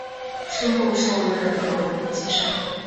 之后授任辽府纪善。